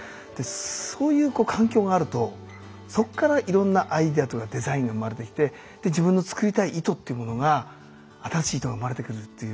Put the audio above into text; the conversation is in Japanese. そういう環境があるとそこからいろんなアイデアとかデザインが生まれてきて自分の作りたい糸ってものが新しい糸が生まれてくるっていう。